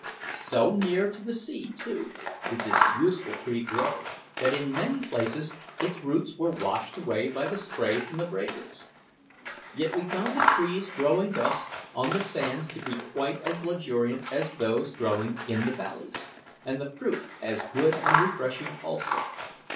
So near to the sea, too, did this useful tree grow, that in many places its roots were washed by the spray from the breakers. Yet we found the trees growing thus on the sands to be quite as luxuriant as those growing in the valleys, and the fruit as good and refreshing also.